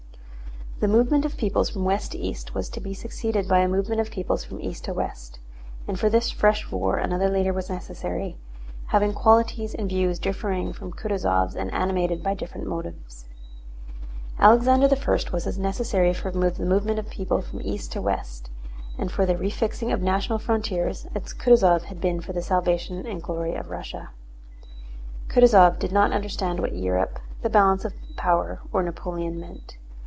The movement of peoples from west to east was to be succeeded by a movement of peoples from east to west, and for this fresh war another leader was necessary, having qualities and views differing from Kutúzov's and animated by different motives. Alexander I was as necessary for the movement of the peoples from east to west and for the refixing of national frontiers as Kutúzov had been for the salvation and glory of Russia. Kutúzov did not understand what Europe, the balance of power, or Napoleon meant.